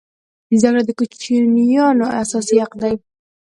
زده کړه د کوچنیانو اساسي حق دی.